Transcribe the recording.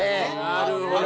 なるほどな！